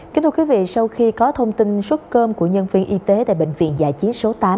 kính thưa quý vị sau khi có thông tin suất cơm của nhân viên y tế tại bệnh viện dạ chiến số tám